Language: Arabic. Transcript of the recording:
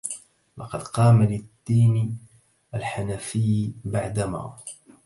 لقد قام للدين الحنيفي بعد ما